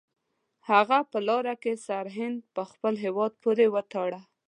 هغه په لاره کې سرهند په خپل هیواد پورې وتاړه.